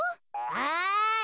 はい。